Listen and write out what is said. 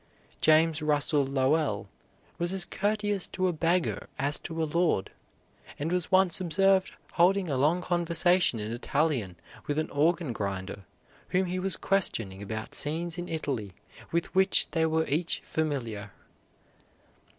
James Russell Lowell was as courteous to a beggar as to a lord, and was once observed holding a long conversation in Italian with an organ grinder whom he was questioning about scenes in Italy with which they were each familiar.